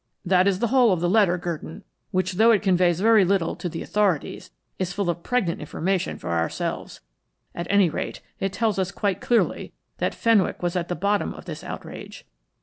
That is the whole of the letter, Gurdon, which though it conveys very little to the authorities, is full of pregnant information for ourselves. At any rate, it tells us quite clearly that Fenwick was at the bottom of this outrage."